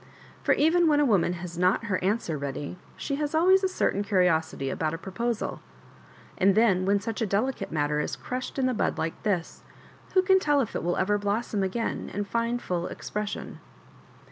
For even when a woman has not her answer ready, she has always a certain curi osity about a proposal ; and then when such a delicate matter is crushed in the bud like this, who can tell if it will ever blossom again, and find full expression?